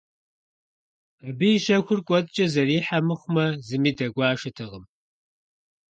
Абы и щэхур кӀуэцӀкӀэ зэрихьэ мыхъумэ, зыми дэгуэшатэкъым.